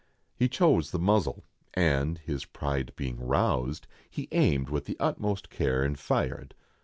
He chose the muzzle, and, his pride being roused, he aimed with the utmost care, and fired.